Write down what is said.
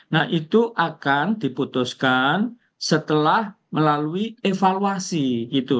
nah itu akan diputuskan setelah melalui evaluasi gitu